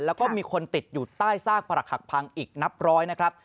แล้วก็มีคนติดอยู่ใต้ซากประหลักหักพังอีกนับร้อยนะครับ